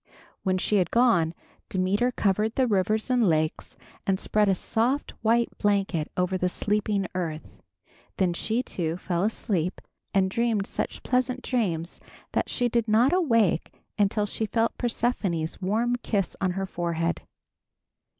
When she had gone, Demeter covered the rivers and lakes, and spread a soft white blanket over the sleeping earth. Then she, too, fell asleep and dreamed such pleasant dreams that she did not awake until she felt Persephone's warm kiss on her forehead.